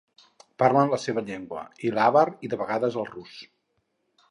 Parlen la seva llengua i l'àvar i de vegades el rus.